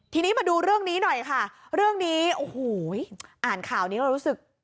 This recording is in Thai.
ทีนี้มาดูเรื่องนี้หน่อยค่ะเรื่องนี้โอ้โหอ่านข่าวนี้เรารู้สึก